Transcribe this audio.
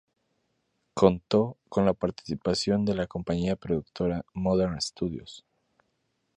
Contó con la participación de la compañía productora "Modern Studios".